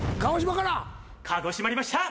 かごしまりました。